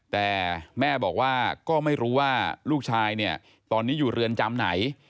แต่แม่บอกว่าก็ไม่รู้ว่าลูกชายเนี่ยตอนนี้อยู่เรือนจำไหน